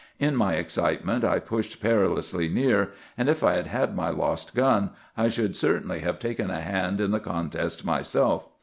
In my excitement I pushed perilously near, and if I had had my lost gun I should certainly have taken a hand in the contest myself.